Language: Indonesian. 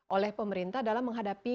oleh pemerintah dalam menghadapi